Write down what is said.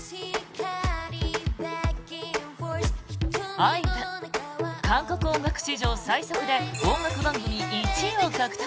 ＩＶＥ韓国アイドル史上最速で音楽番組１位を獲得。